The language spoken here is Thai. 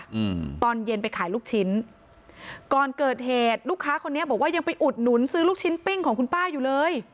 อืมตอนเย็นไปขายลูกชิ้นก่อนเกิดเหตุลูกค้าคนนี้บอกว่ายังไปอุดหนุนซื้อลูกชิ้นปิ้งของคุณป้าอยู่เลย